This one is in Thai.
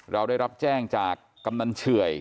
เราได้รับแจ้งจากกำนันเฉื่อย